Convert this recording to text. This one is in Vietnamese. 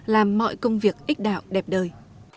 làm mọi công việc ích đạo đẹp đời